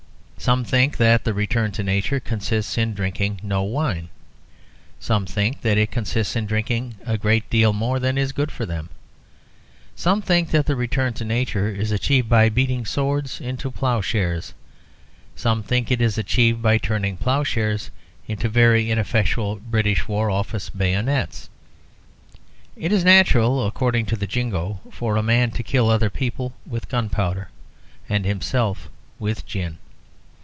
Some think that the return to nature consists in drinking no wine; some think that it consists in drinking a great deal more than is good for them. Some think that the return to nature is achieved by beating swords into ploughshares; some think it is achieved by turning ploughshares into very ineffectual British War Office bayonets. It is natural, according to the Jingo, for a man to kill other people with gunpowder and himself with gin.